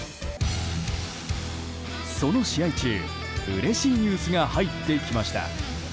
その試合中、うれしいニュースが入ってきました。